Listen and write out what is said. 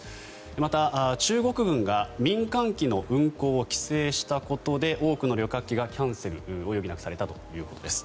また、中国軍が民間機の運航を規制したことで多くの旅客機がキャンセルを余儀なくされたということです。